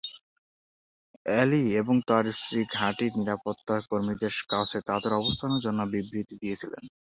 Alley এবং তার স্ত্রী ঘাঁটির নিরাপত্তা কর্মীদের কাছে তাদের অবস্থানের জন্য বিবৃতি দিয়েছিলেন।